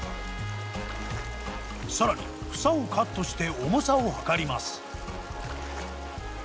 更に房をカットして重さを量ります。